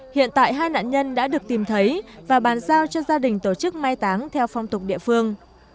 hiện tại hai nạn nhân đã được tìm thấy và bàn giao cho gia đình tổ chức mai táng theo phong tục địa phương